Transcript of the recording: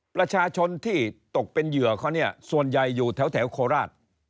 ประชาชนที่ตกเป็นเหยื่อเขาเนี่ยส่วนใหญ่อยู่แถวโคราช